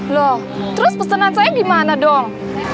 loh terus pesanan saya di mana dong